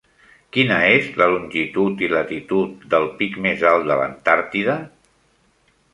Quina és la longitud i latitud del pic més alt de l'Antàrtida?